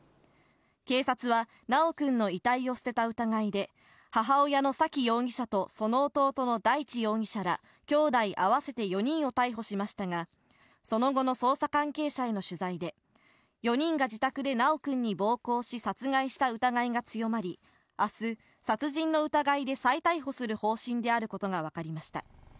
警察は修くんの遺体を捨てた疑いで、母親の沙喜容疑者とその弟の大地容疑者ら、きょうだい合わせて４人を逮捕しましたが、その後の捜査関係者への取材で、４人が自宅で修くんに暴行し殺害した疑いが強まり、あす、殺人の疑いで再逮捕する方針であることが分かりました。